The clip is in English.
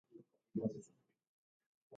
Truth or Fabrication!